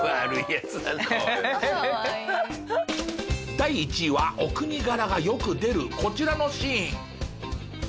第１位はお国柄がよく出るこちらのシーン。